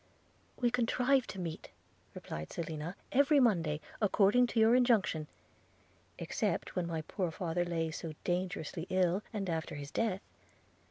'We contrived to meet,' replied Selina, 'every Monday, according to your injunction; except when my poor father lay so dangerously ill, and after his death.